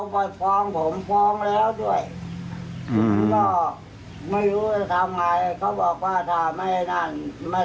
โปรฆฟ้องผมพร้อมแล้วด้วยไม่รู้จะทำไงเขาบอกว่าไงนานไม่